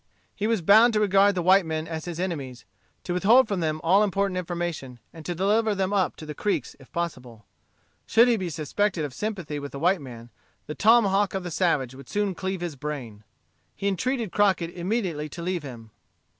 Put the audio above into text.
He was bound to regard the white men as his enemies, to withhold from them all important information, and to deliver them up to the Creeks if possible. Should he be suspected of sympathy with the white men, the tomahawk of the savage would soon cleave his brain. He entreated Crockett immediately to leave him.